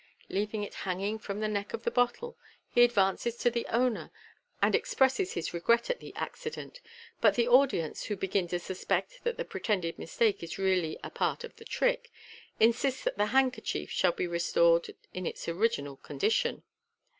Leaving it hanging from the neck of the bottle, he advances to the owner, and expresses his regret at the accident j but the audience, who begin to suspect that the pre tended mistake is really a part of the trick, insist that the hand kerchief shall be restored in its original condition.